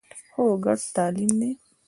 هو، ګډ تعلیم دی